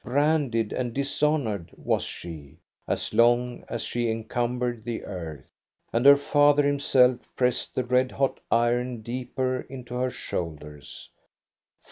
Branded and dishonored was she, as long as she encumbered the earth. And her father himself pressed the red hot iron deeper into her shoulders.